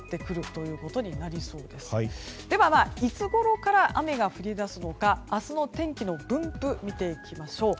いつごろから雨が降りだすのか明日の天気の分布見ていきましょう。